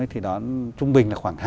thì đón trung bình là khoảng hai trăm linh